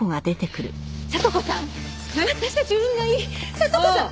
里子さん！